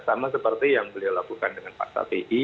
sama seperti yang beliau lakukan dengan pak strategi